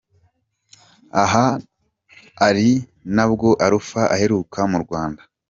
Aha ari nabwo Alpha aheruka mu Rwanda.